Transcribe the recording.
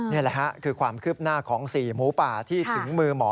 นี่แหละค่ะคือความคืบหน้าของ๔หมูป่าที่ถึงมือหมอ